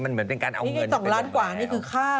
มันเหมือนเป็นการเอาเงินเป็นแบบนี้หรอนี่ไง๒ล้านกว่านี่คือค่า